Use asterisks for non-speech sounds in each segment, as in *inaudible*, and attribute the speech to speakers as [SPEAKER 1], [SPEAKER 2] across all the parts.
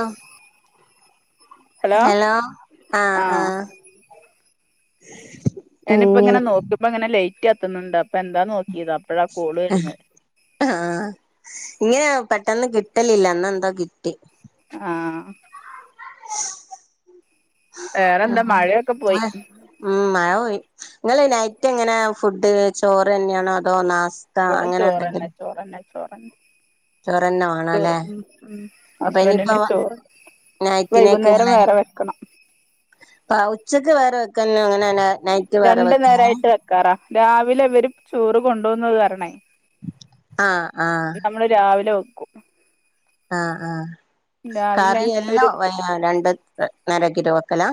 [SPEAKER 1] ആഹ് hello ആഹ് ആഹ്
[SPEAKER 2] ഞാനിപ്പോ ഇങ്ങനെ നോക്കിയപ്പോ ഇങ്ങനെ ലേയ്റ്റ് കത്തുന്നുണ്ട് അപ്പൊ എന്താന്ന് നോക്കിയത് അപ്പഴാ കോള് വരുന്നേ
[SPEAKER 1] ആഹ് ഇങ്ങനെ പെട്ടന്ന് കിട്ടലില്ല ഇന്നെന്താ കിട്ടി
[SPEAKER 2] ആഹ് വേറെന്താ മഴയൊക്കെ പോയി
[SPEAKER 1] മയ ഉം മയ പോയി നിങ്ങള് നൈറ്റ് എങ്ങന്നെ ഫുഡ് ചോറ് തന്നെയാണോ അതോ നാസ് സ്താ അങ്ങനെ എന്തെങ്കിലും
[SPEAKER 2] ചോറന്നേ
[SPEAKER 1] ചോറന്നെ വേണം
[SPEAKER 2] ചോറ്
[SPEAKER 1] അല്ലെ
[SPEAKER 2] ഉം ഉം
[SPEAKER 1] അപ്പൊ ഇനിയിപ്പോ
[SPEAKER 2] ഹസ്ബന്റിന് ചോറ് വൈകുന്നേരം വേറെ വെക്കണം
[SPEAKER 1] ആ ഉച്ചക്ക് വേറെ വെക്ക അങ്ങനെന്ന നൈറ്റ് വേറെ
[SPEAKER 2] രണ്ടു നേരം ആയിട്ട് വെക്കാറാ രാവിലെ ഇവര് ചോറ് കൊണ്ട് പോകുന്നത് കാരണേ
[SPEAKER 1] ആഹ് ആഹ്
[SPEAKER 2] നമ്മള് രാവിലെ വെക്കും
[SPEAKER 1] ആഹ് ആഹ്
[SPEAKER 2] രാവിലെ
[SPEAKER 1] കറി എല്ലാം
[SPEAKER 2] ഒരു
[SPEAKER 1] വല്ല രണ്ട് നേരാക്കിയിട്ട് വക്കലാ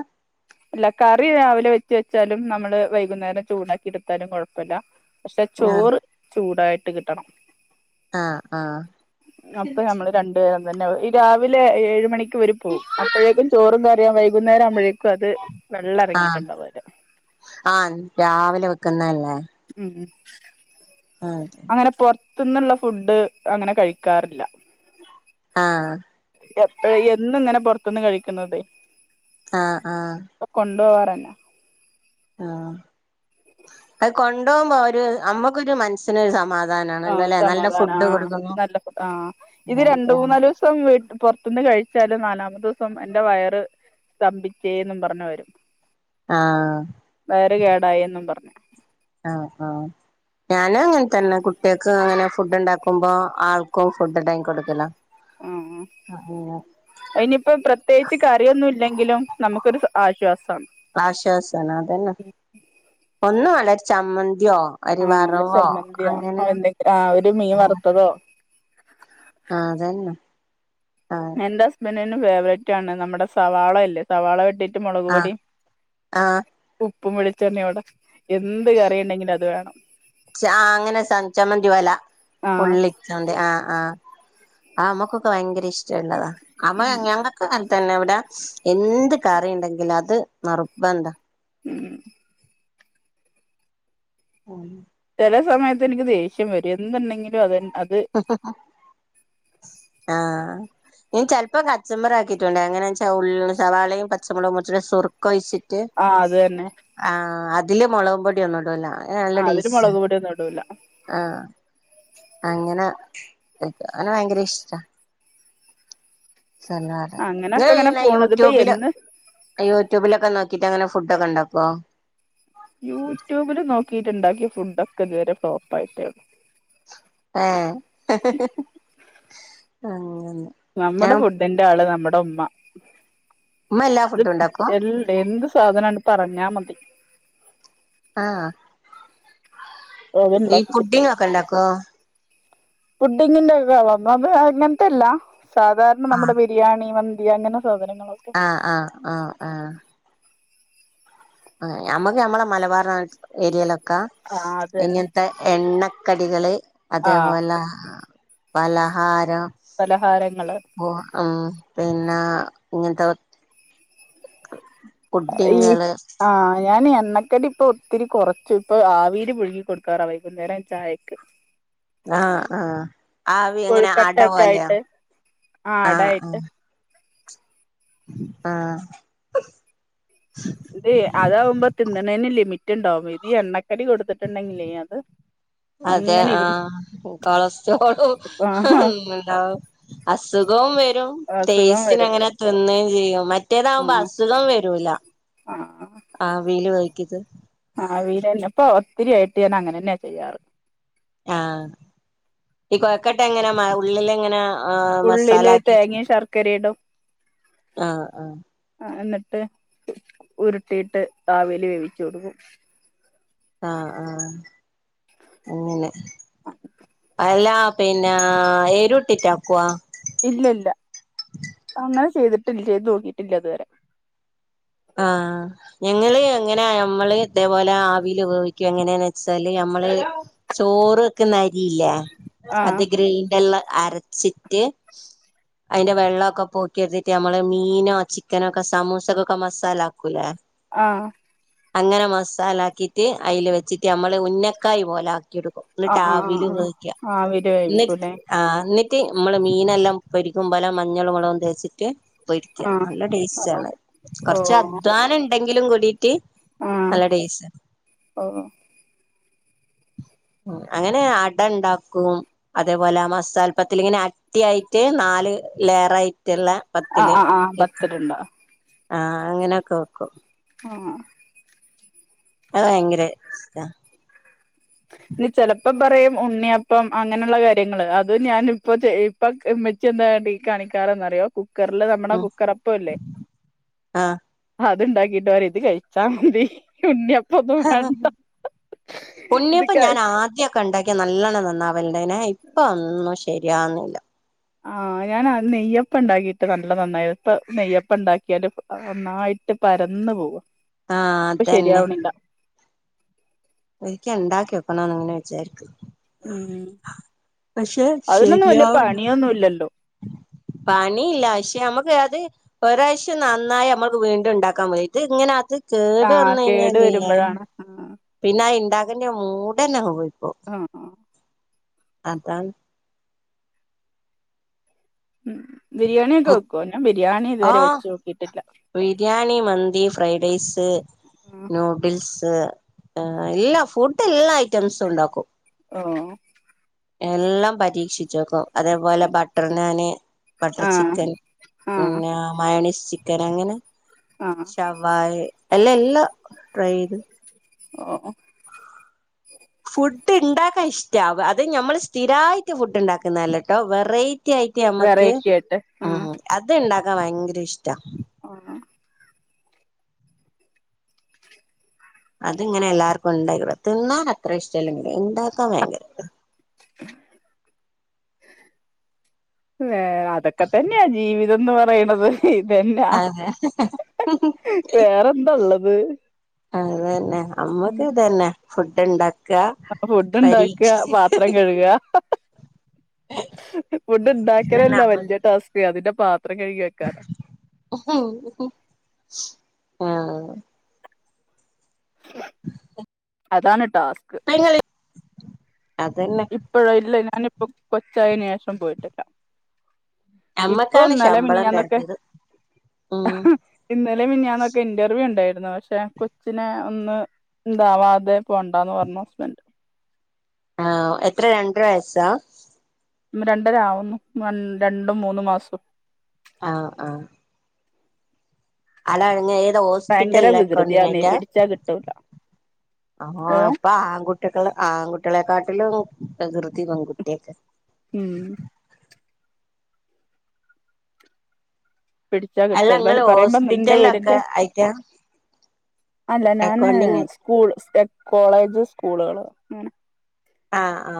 [SPEAKER 2] അല്ല കറി രാവിലെ വെച്ച് വെച്ചാലും നമ്മള് വൈകുന്നേരം ചൂടാക്കി എടുത്താലും കൊഴപ്പില്ല പക്ഷെ
[SPEAKER 1] ആഹ്
[SPEAKER 2] ചോറ് ചൂടായിട്ട് കിട്ടണം
[SPEAKER 1] ആഹ് ആഹ്
[SPEAKER 2] അപ്പൊ ഞമ്മള് രണ്ടു നേരം പിന്നെ ഈ രാവിലെ ഏഴ് മണിക്ക് ഇവര് പോവും അപ്പോഴേക്കും ചോറും കറിയാം വൈകുന്നേരം ആവുമ്പഴേക്കും അ
[SPEAKER 1] ആഹ് ആഹ് രാവിലെ വെക്കുന്നല്ലേ
[SPEAKER 2] ഉം ഉം
[SPEAKER 1] ആഹ് അതെ
[SPEAKER 2] ത്തുന്നുള്ള ഫുഡ് അങ്ങനെ കഴിക്കാറില്ല
[SPEAKER 1] ആഹ്
[SPEAKER 2] എപ്പ എന്നും ഇങ്ങനെ പൊറത്തുന്ന് കഴിക്കുന്നത്
[SPEAKER 1] ആഹ് ആഹ്.
[SPEAKER 2] ഡോറെന്നാ
[SPEAKER 1] ആഹ് അത് കൊണ്ടോമ്പോ ഒരു അ മ്മക്കൊരു മനസ്സിനൊരു സമാ
[SPEAKER 2] ആഹ് സമാധാനാ ആ നല്ല ആ ഇത് രണ്ട്,
[SPEAKER 1] അതെ
[SPEAKER 2] മൂന്നാലൂസം വീട്ട് പൊറത്തുന്ന് കഴിച്ചാലും നാലാമത്തൂസം എന്റെ വയറ് സ്തംഭിച്ചേന്നും പർഞ്ഞ് വരും.
[SPEAKER 1] ആഹ്
[SPEAKER 2] വയറ് കേടായെന്നും പർഞ്ഞ്.
[SPEAKER 1] ആഹ് ആഹ്. ഞാനും അങ്ങൻ തന്നെ കുട്ടിയേക്ക് അങ്ങനെ ഫുഡ്ണ്ടാക്കുമ്പോ ആൾക്കും ഫുഡ് ഇണ്ടാക്കി കൊട്ക്കല്ലാ.
[SPEAKER 2] ആഹ് ആഹ് അയ്നിപ്പം പ്രത്യേകിച്ച് കറിയൊന്നും ഇല്ലെങ്കിലും നമുക്കൊരു ആശ്വാസ
[SPEAKER 1] ആശ്വാസാണ്. അതന്നെ ഒന്നും വേണ്ട ഒര് ചമ്മന്തി യോ ഒര്
[SPEAKER 2] ആഹ് ഒരു
[SPEAKER 1] വറവോ
[SPEAKER 2] ചമ്മന്തിയോ
[SPEAKER 1] അങ്ങനെ
[SPEAKER 2] എന്തെങ്കിലും ആഹ് ഒരു മീൻ വറുത്തതോ
[SPEAKER 1] ആഹ് അതന്നെ. ആഹ്
[SPEAKER 2] എന്റെ ഹസ്ബന്റിന്റെ ഫേവറൈറ്റ് ആണ് നമ്മുടെ സവാളല്ലേ സവാള വെട്ടി മൊളക്
[SPEAKER 1] ആഹ്
[SPEAKER 2] പൊടിം
[SPEAKER 1] ആഹ്
[SPEAKER 2] ഉപ്പും വെളിച്ചെണ്ണി ഓടെ എന്ത് കറിണ്ടെങ്കിലും അത് വേണം.
[SPEAKER 1] ച അങ്ങനെ ച ചമ്മന്തി പോലാ
[SPEAKER 2] ആഹ്
[SPEAKER 1] ഉള്ളി ചമ്മന്തി ആഹ് ആഹ്. ആ മ്മക്കൊക്കെ ഭയങ്കര ഇഷ്ടള്ളതാ ആ മ്മ ഞങ്ങക്ക് ന തന്നെ ഇവടെ എന്ത് കറിണ്ടെങ്കിലും അത് നിർബന്ധാ.
[SPEAKER 2] ഉം
[SPEAKER 1] ഉം
[SPEAKER 2] ചെല സമയത്ത് എനിക്ക് ദേഷ്യം വരും എന്തുണ്ടെങ്കിലും അതന്നെ
[SPEAKER 1] ആ ഈ ചെലപ്പം കച്ചമ്പറ് ആക്കിട്ടുണ്ട് എങ്ങനാച്ച ഉള്ള സവാളയും പച്ചമുളകും മുറിച്ചിട്ട് സുർക്ക ഒഴിച്ചിട്ട് ട്ട്
[SPEAKER 2] ആഹ് അത് തന്നെ
[SPEAKER 1] ആ അതില് മുളക്പൊടി ഒന്നും ഇടൂല നല്ല
[SPEAKER 2] ആഹ് അതില്
[SPEAKER 1] ടേസ്റ്റാ
[SPEAKER 2] മുളക് പൊടിയൊന്നും ഇടൂല
[SPEAKER 1] ആ അങ്ങനെ അങ്ങനെ ഭയങ്കര ഇഷ്ടാ *unintelligible*
[SPEAKER 2] അങ്ങനൊക്കെ അങ്ങനെ
[SPEAKER 1] നിങ്ങളിങ്ങനെ
[SPEAKER 2] പോണത് ഇപ്പൊ
[SPEAKER 1] യൂട്യൂബില്
[SPEAKER 2] എന്ന്
[SPEAKER 1] യൂട്യൂബിലൊക്കെ നോക്കിട്ട് അങ്ങനെ ഫുഡ് ഒക്കെ ഉണ്ടാക്കോ
[SPEAKER 2] യൂട്യൂബിൽ നോക്കിയിട്ടുണ്ടാക്കിയ ഫുഡ് ഒക്കെ ഇതുവരെ ഫ്ലോപ്പ് ആയിട്ടേ ഉള്ളൂ
[SPEAKER 1] ഏഹ് അങ്ങനെ ഞാൻ
[SPEAKER 2] നമ്മടെ ഫുഡിന്റെ ആള് നമ്മടെ ഉമ്മ
[SPEAKER 1] ഉമ്മ എല്ലാ
[SPEAKER 2] അത്
[SPEAKER 1] ഫുഡും ഉണ്ടാക്കും
[SPEAKER 2] എന്ത് എന്ത് സാധനാന്ന് പറഞ്ഞാ മതി
[SPEAKER 1] ആ ഈ പുഡ്ഡിംഗ് ഒക്കെ ഉണ്ടാക്കോ
[SPEAKER 2] പുഡ്ഡിങ്ങിന്റെ ഒക്കെ ഒന്നാതെ അങ്ങനത്തെയല്ല സാധാരണ നമ്മുടെ ബിരിയാണി അങ്ങനെ സാധനങ്ങളൊക്കെ
[SPEAKER 1] ആ ആ ആ ആ ആ ഞമ്മക്ക് ഞമ്മളെ മലബാർ ഏരിയയിലൊക്കെ
[SPEAKER 2] ആഹ് അത് തന്നെ
[SPEAKER 1] ഇങ്ങനത്തെ എണ്ണ കടികള്
[SPEAKER 2] ആഹ്
[SPEAKER 1] അതേപോലെ പലഹാരം
[SPEAKER 2] പലഹാരങ്ങള്
[SPEAKER 1] ആ പിന്നെ ഇങ്ങനത്തെ കൊറ
[SPEAKER 2] ഈ ആ ഞാനി എണ്ണക്കടി ഇപ്പൊ ഒത്തിരി കൊറച്ചു ഇപ്പൊ ആവില് പുഴുങ്ങി കൊടുക്കാറാ വൈകുന്നേരം ചായക്ക്
[SPEAKER 1] ആ ആ ആവി എങ്ങനെ അടപോലെയോ
[SPEAKER 2] ആ അട ആയിട്ട്
[SPEAKER 1] ആ
[SPEAKER 2] അതേ അതാവുമ്പം തിന്നണേന് ലിമിറ്റ് ഉണ്ടാവും ഇത് എണ്ണക്ക കടി കൊടുത്തിട്ടുണ്ടെങ്കിലേ അത്
[SPEAKER 1] അതെ
[SPEAKER 2] അങ്ങനെ
[SPEAKER 1] ആ
[SPEAKER 2] ഇരുന്ന്
[SPEAKER 1] കൊളസ്ട്രോളും
[SPEAKER 2] ആഹ്
[SPEAKER 1] ഉണ്ടാവും അസുഖവും വരും
[SPEAKER 2] അസുഖം
[SPEAKER 1] ടേസ്റ്റിന്
[SPEAKER 2] വരും
[SPEAKER 1] അങ്ങനെ തിന്ന് ചെയ്യും മറ്റേതാവുമ്പോ
[SPEAKER 2] ആഹ്
[SPEAKER 1] അസുഖം വരൂല ആവീല് ആക്കിയത്
[SPEAKER 2] ആ വീട്ന്നെ ഇപ്പൊ ഒത്തിരി ആയിട്ട് ഞാൻ അങ്ങനെ തന്നെയാ ചെയ്യാറ്
[SPEAKER 1] ആഈ കൊഴക്കട്ട എങ്ങനെ മ ഉള്ളില എങ്ങനെ
[SPEAKER 2] ഉള്ളില്
[SPEAKER 1] ആമസാലാക്കിറ്റ്‌
[SPEAKER 2] തേങ്ങയും ശർക്കരയും ഇടും
[SPEAKER 1] അ അ
[SPEAKER 2] അ ഹ്ന്നിട്ട് ഉരുട്ടിയിട്ട് അവിൽ വേവിച്ചെടുക്കും
[SPEAKER 1] ആആഅങ്ങനെ അല്ലാ പിന്നെ ഏരുട്ടിറ്റ ആക്കുവ
[SPEAKER 2] ഇല്ല ഇല്ല അങ്ങനെ ചെയ്തിട്ടില്ല ചെയ്ത് നോക്കിട്ടില്ല ഇതുവരെ
[SPEAKER 1] ആ ഞങ്ങള് എങ്ങനെ നമ്മള് ഇതേപോലെ ആവിൽ വേവിക്ക എങ്ങനെയന്ന് വെച്ചാല് നമ്മള് ചോറ വെക്ന അരിയില്ല
[SPEAKER 2] ആഹ്
[SPEAKER 1] അത് ഗ്രെൻറ്ററിൽ അരച്ചിട്ട് അതിന്റെ വെള്ളമൊക്കെ പോക്കിയ എടുത്തിട്ട് നമ്മള് മീനോ ചിക്കനോ ഒക്കെ സമൂസക്കൊക്കെ മസാല ആക്കൂല്ലേ
[SPEAKER 2] ആ
[SPEAKER 1] അങ്ങനെ മസാലാക്കിട്ട് അതിൽ വെച്ചിട്ട് നമ്മള് ഉഞ്ഞക്കായി പോലെ *unintelligible* എന്നിട്ട്
[SPEAKER 2] ആഹ് ആഹ്
[SPEAKER 1] അവിൽ
[SPEAKER 2] ആഹ് ആഹ്
[SPEAKER 1] വേവിക്ക
[SPEAKER 2] ആവിയില്
[SPEAKER 1] എന്നിട്ട്
[SPEAKER 2] വേവിക്കൂല്ലേ
[SPEAKER 1] അ എന്നിട്ട് റ്റ് നമ്മള് മീനെല്ലാം പൊരിക്കും പേല മഞ്ഞൾ മുളകും തേച്ചിട്ട് രിക്ക
[SPEAKER 2] ആഹ്
[SPEAKER 1] നല്ല ടേസ്റ്റ് ആണ് കുറച്ച്
[SPEAKER 2] ഓഹ്
[SPEAKER 1] അധ്വാനം ഉണ്ടെങ്കിലും കൂടി റ്റ്
[SPEAKER 2] ആഹ്
[SPEAKER 1] നല്ല ടെസ്റ്റാ
[SPEAKER 2] ഓഹ്
[SPEAKER 1] അങ്ങനെ അട ഉണ്ടാക്കും അതേപോലെ മസാൽപ്പത്തിൽ ഇങ്ങനെ അട്ടിയായിട്ട് ന നാല് ലെയറയിട്ടുള്ള
[SPEAKER 2] ആഹ്
[SPEAKER 1] പത്തില്ൽ
[SPEAKER 2] ആഹ് ആഹ്
[SPEAKER 1] *unintelligible*
[SPEAKER 2] പത്തിലുണ്ടോ
[SPEAKER 1] ആ അങ്ങനെയൊക്കെ വെക്കും
[SPEAKER 2] ആ
[SPEAKER 1] അ ഭയങ്കര ഇഷ്ട
[SPEAKER 2] ഇനി ചെലപ്പം പറയും ഉണ്ണിയപ്പം അങ്ങനെയുള്ള കാര്യങ്ങള്ൾ അത് ഞാനിപ്പോ ഇപ്പ മെച്ച് എന്താ ഈ കാണിക്ക *unintelligible* കുക്കറില് നമ്മുടെ
[SPEAKER 1] ഉം
[SPEAKER 2] കുക്കറപ്പല്ലേ
[SPEAKER 1] ആ
[SPEAKER 2] ഇത്ണ്ടാക്കിട്ട് പരിം കഴിച്ചാൽ മതി ഉണ്ണിയ അപ്പൊ ഒന്നും വേണ്ട
[SPEAKER 1] ഇപ്പൊ
[SPEAKER 2] ഇതൊക്കെ
[SPEAKER 1] ഞാൻ ആദ്യൊക്കെ ഉണ്ടാക്കിയ നല്ലവണ് നന്നാവലുണ്ടേന ഇപ്പൊ ഒന്നും ശരിയാന്നില്ല.
[SPEAKER 2] ആ ഞൻ നെയ്യപ്പ ഉണ്ടാക്കിട്ട് നല്ല നന്നായി ഇപ്പ നെയ്യപ്പ ഉണ്ടാക്കിയാല് നന്നായി. *unintelligible* പരന്നു പോവാ
[SPEAKER 1] ആ
[SPEAKER 2] ഇപ്പ
[SPEAKER 1] അതന്നെ
[SPEAKER 2] ശരിയാവണില്ല
[SPEAKER 1] ഒരിക്ക ഉണ്ടാക്കി വെക്കണംന്ന് അങ്ങനെ വിചാരിക്ക
[SPEAKER 2] ഉം
[SPEAKER 1] പക്ഷെ
[SPEAKER 2] അതിനൊന്നും വല്യ
[SPEAKER 1] ശരിയാവും
[SPEAKER 2] പണിയൊന്നും ഇല്ലല്ലോ
[SPEAKER 1] *inaudible* പണിയില്ല പക്ഷെ നമുക്ക് അത് ഒരാഴ്ച്ച നന്നായി നമ്മുക്ക് വീണ്ടും ഇണ്ടാക്കാൻ പോതിട്ട് ഇദ് ഇങ്ങനെ അത് കേടു വന്ന
[SPEAKER 2] ആഹ് കേട്
[SPEAKER 1] കഴിഞ്ഞാലല്ലേ
[SPEAKER 2] വരുമ്പോഴാണ് ആഹ്
[SPEAKER 1] പിന്നെ ആ ഉണ്ടാക്കുന്ന മൂടന പോയി
[SPEAKER 2] ആ ആ
[SPEAKER 1] അത
[SPEAKER 2] ഉം ബിരിയാണിയൊക്കെ വെക്ക ന്ന ബിരിയാണി ഇതുവരെ
[SPEAKER 1] ആഹ്
[SPEAKER 2] വെച്ചോകിട്ടില്ല
[SPEAKER 1] ബിരിയാണി മന്തി ഫ്രൈ ഡെയ്സ്
[SPEAKER 2] ആഹ്
[SPEAKER 1] ന്യൂഡിൽസ് ആ എല്ല ഫുഡ് എല്ലാ ഐറ്റംസും ഉണ്ടാക്കും
[SPEAKER 2] ഓ
[SPEAKER 1] എല്ലാം പരീക്ഷിച്ചോക്കും അതേപോലെ ബട്ടർ നാന് ബട്ടർ
[SPEAKER 2] ആഹ്
[SPEAKER 1] ചിക്കൻ
[SPEAKER 2] ആഹ്
[SPEAKER 1] പിന്നെ മയോണിസ് ചി ചിക്കൻ അങ്ങനെ
[SPEAKER 2] ആഹ്
[SPEAKER 1] ശവായ എല്ല എല്ലാം ട്രൈ ചെയ്ത്
[SPEAKER 2] ഓ
[SPEAKER 1] ഫുഡ് ഉണ്ടാക്കാൻ ഇഷ്ടവ അത് നമ്മൾ സ്ഥിരമായിട്ട് ഫുഡ് ഉണ്ടാക്കുന്നതല്ലട്ടോ വെറൈ യിറ്റി ആയിട്ട് നമ്മക്ക്
[SPEAKER 2] വെറൈറ്റി ആയിട്ട്
[SPEAKER 1] ഉ അത് ഇണ്ടാക്കാൻ ഭയങ്കര ഇഷ്ട
[SPEAKER 2] ആ ഹ
[SPEAKER 1] അത്ങ്ങനെ എല്ലാർക്കും ഉണ്ടാക്കടാം തിന്നാൻ അത്ര ഇഷ്ടമല്ലെങ്കിൽ ഉണ്ടാക്കാൻ ഭയങ്കര ഇത
[SPEAKER 2] വേ അതൊക്കെ തന്നെയാ ജീവി ഇതന്ന് പറയണത് ഇതന്നെയാ
[SPEAKER 1] അതെ
[SPEAKER 2] വേറെന്താള്ളത്
[SPEAKER 1] അത് തന്നെ അമ്മക്ക് ഇതന്നെ ഫുഡ് ഇണ്ട ക്ക
[SPEAKER 2] ഫുഡ് ഉണ്ടാക്കുക
[SPEAKER 1] പരീക്ഷ
[SPEAKER 2] പാത്രം കഴുകുക ഫുഡ് ഉണ്ടാക്കാനല്ല വലിയ ടാസ്ക് അതിന്റെ പാ
[SPEAKER 1] ആ *inaudible*
[SPEAKER 2] അതാണ് ടാസ്ക്
[SPEAKER 1] അതന്നെ
[SPEAKER 2] ഇപ്പോഴ ഇല്ല ഞാനിപ്പോ കൊച്ചായന് ശേഷം പോയിട്ടില്ല
[SPEAKER 1] അമ്മക്കാണ്
[SPEAKER 2] ഇപ്പൊന്നലെ
[SPEAKER 1] ശമ്പളം
[SPEAKER 2] മിനിയാന്നൊക്കെ
[SPEAKER 1] തരത്തിയത് ഉം
[SPEAKER 2] ഇന്നലെ മിനിയാനൊക്കെ ഇന്റർവ്യൂ ഉണ്ടായിരുന്നു പക്ഷെ കൊച്ചിനെ ഒന്ന് എന്താവാതെ പോണ്ടന്ന് പറഞ്ഞു ഹസ്ബന്ഡ്
[SPEAKER 1] ആ എത്ര രണ്ടരവയസാ
[SPEAKER 2] രണ്ടര ആവുന്നു രണ്ടും മൂന്നും മാസവും
[SPEAKER 1] ആ ആ അതാങ്ങ ഏതോ
[SPEAKER 2] ഭയങ്കര
[SPEAKER 1] ഹോസ്പിറ്റല എ
[SPEAKER 2] വികൃതിയാന്നേ
[SPEAKER 1] ക്കോണ്ടിങ്ങയിട്ടാ
[SPEAKER 2] പിടിച്ചാ
[SPEAKER 1] *unintelligible*
[SPEAKER 2] കിട്ടൂല
[SPEAKER 1] ആ
[SPEAKER 2] ഓ
[SPEAKER 1] ഇപ്പൊ ആൺകുട്ടികള ആൺകുട്ടികളെക്കാ പല പ്രകർതി വങ്ങൂട്ടിയക്ക *unintelligible*
[SPEAKER 2] ഉം പിടിച്ചാ കിട്ട
[SPEAKER 1] അല്ല
[SPEAKER 2] പ
[SPEAKER 1] നിങ്ങള്
[SPEAKER 2] പറയുമ്പോ എന്റെ
[SPEAKER 1] ഹോസ്പിറ്റലിലൊക്കെ
[SPEAKER 2] വീടിറെ *unintelligible*
[SPEAKER 1] ആയിട്ടാ
[SPEAKER 2] അല്ല ഞാന്
[SPEAKER 1] അക്കൗണ്ടിങ്
[SPEAKER 2] സ്കൂൾ കോളേജ് സ്കൂളുകള് അങ്ങനെ
[SPEAKER 1] ആ ആ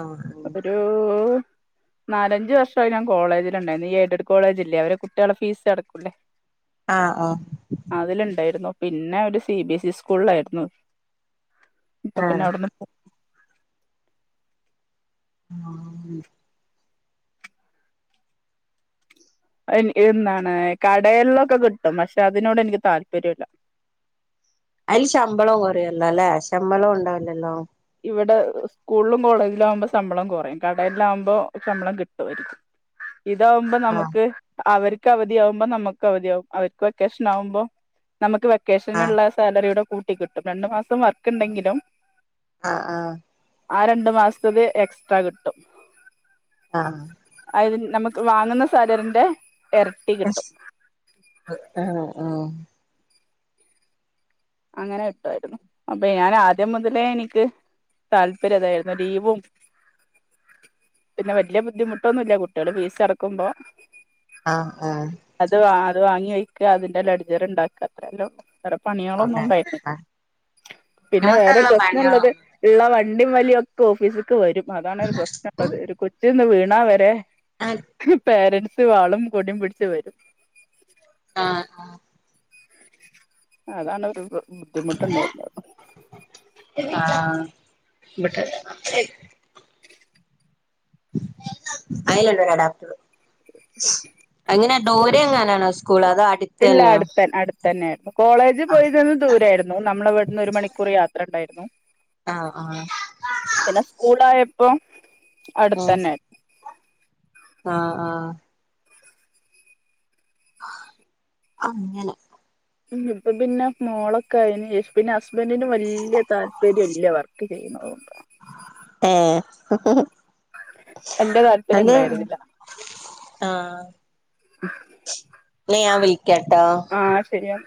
[SPEAKER 2] നാലഞ്ചു വർഷമായി ഞൻ കോളേജില് ഉണ്ടായിരുന്നു ഈ എയ്ഡഡ് കോളേജില്ലേ അവര് കുട്ടികള് ഫീസ് അടക്കൂല്ലേ
[SPEAKER 1] ആ ആ
[SPEAKER 2] അതിലുണ്ടായിരുന്നു പിന്നെ ഒരു സി ബി എസ് ഇ സ്കൂളിലായിരുന്നു ഇപ്പൊ പിന്നെ
[SPEAKER 1] ആഹ്
[SPEAKER 2] അവിടുന്ന്
[SPEAKER 1] ആന് *inaudible*
[SPEAKER 2] എന്താണ് കടയിലൊക്കെ കിട്ടും പക്ഷെ അതിനോട് എനിക്ക് താല്പര്യംല്ല
[SPEAKER 1] അതില് ശമ്പളവും കുറയല്ലോ അല്ലെ ശമ്പളവും ഉണ്ടാവില്ലല്ലോ
[SPEAKER 2] ഇവിടെ സ്കൂളിലും കോളേജിലും ആവുമ്പോൾ ശമ്പളം കുറയും കടലില് ആകുമ്പോൾ ശമ്പളം കിട്ടുമായിരിക്കും
[SPEAKER 1] *inaudible*
[SPEAKER 2] ഇതാവുമ്പോ
[SPEAKER 1] ആഹ്
[SPEAKER 2] നമുക്ക് അവർക്ക് അവധി ആകുമ്പോ നമുക്ക് അവധിയാവുംമ്പോൾ നമുക്ക് അവധിയാവും അവർക്ക് വെക്കേഷൻ ആകുമ്പോൾ നമുക്ക്
[SPEAKER 1] ആഹ്
[SPEAKER 2] വെക്കേഷനുള്ളള്ള സാലറിയുടെ കൂട്ടി കിട്ടും രണ്ടു മാസം വർക്ക് ഉണ്ടെങ്കിലും
[SPEAKER 1] ആ ആ
[SPEAKER 2] ആ രണ്ടു മാസത്തത് എക്സ്ട്രാ കിട്ടും
[SPEAKER 1] ആ
[SPEAKER 2] നമുക്ക് വാങ്ങുന്ന സാലറിന്റെ ഇരട്ടി കിട്ടും
[SPEAKER 1] ആ ആ
[SPEAKER 2] അങ്ങനെ കിട്ടുമായിരുന്നു അപ്പൊ ഞാൻ ആദ്യം മുതലേ എനിക്ക് താല്പര്യതായിരുന്നു ലീവും പിന്നെ വലിയ ബുദ്ധിമുട്ടൊന്നുല്ല കുട്ടികള് ഫീസ് അടക്കുമ്പോ
[SPEAKER 1] ആ ആ
[SPEAKER 2] അത് അത് വാങ്ങി വയ്ക്ക അതിന്റെ ലട്ജർ ഉണ്ടാക്കുക അത്രല്ലെ
[SPEAKER 1] അതെ
[SPEAKER 2] ന്ന വ
[SPEAKER 1] നമുക്കുള്ള പണികളോ
[SPEAKER 2] *unintelligible* വണ്ടി വലിയ ഒക്കെ ഓഫീസക്ക് വരും അതാണ് ഒരു പ്രശ്നം ഉള്ളത് ഒരു കൊച്ചി നിന്ന് വീണാ വരെ *unintelligible* പേരൻറ്സ് വാളും കൊടിയും പിടിച്ച് വരും
[SPEAKER 1] ആ
[SPEAKER 2] അതാണ് ഒരു ബുദ്ധിമുട്ടുണ്ടായിരുന്നെ
[SPEAKER 1] ട്ട *unintelligible*
[SPEAKER 2] *inaudible*
[SPEAKER 1] അയില്ലണ്ടോരാ ഡോക്ടർ *unintelligible* അങ്ങനെ ദൂരെ എങ്ങനാനാണോ സ്കൂൾ അത് അടു
[SPEAKER 2] ഇല്ല അടുത്തെ അടുത്ത തന്നെയായിരുന്നു കോളേജ് പോയി ചന്ന് ദൂരായിരുന്നു നമ്മള ഇവിടുന്ന് ഒരു മണിക്കൂർ യാത്രണ്ടാ *unintelligible*
[SPEAKER 1] ആഹ ആഹ...
[SPEAKER 2] അപ്പൊ അടുത്ത തന്നെ....
[SPEAKER 1] ആഹ് ആ അങ്ങനെ
[SPEAKER 2] ഇപ്പ പിന്നെ മോളൊക്കെ ആയിന് യേശു പിന്നെ ഹസ്ബൻറിന് വലിയ താല്പര്യം ഇല്ല വർക്ക് *unintelligible* വല്യ താല്പര്യം ഉണ്ടായിരുന്നില്ല
[SPEAKER 1] *unintelligible* ഇ ഞാൻ വിളിക്കട്ടാ....
[SPEAKER 2] ആഹ് ശരിയാ